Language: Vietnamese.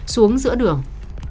xuống giữa đường